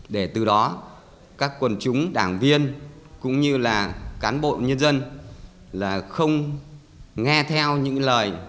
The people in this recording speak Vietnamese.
để từ đó các quần chúng đảng viên cũng như là cán bộ nhân dân là không nghe theo những lời